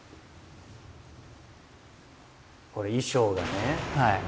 これ衣装がね